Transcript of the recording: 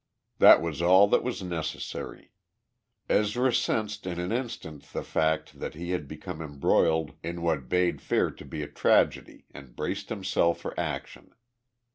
That was all that was necessary. Ezra sensed in an instant the fact that he had become embroiled in what bade fair to be a tragedy and braced himself for action.